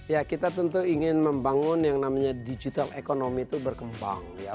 ya kita tentu ingin membangun yang namanya digital economy itu berkembang ya